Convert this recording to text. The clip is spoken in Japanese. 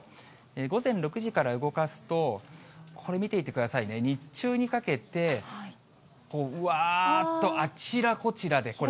午前６時から動かすと、これ見ていてくださいね、日中にかけて、うわーっとあちらこちらで、これ。